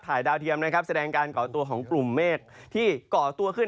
ดาวเทียมนะครับแสดงการก่อตัวของกลุ่มเมฆที่ก่อตัวขึ้น